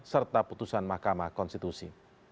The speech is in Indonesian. serta putusan mahkamah konstitusi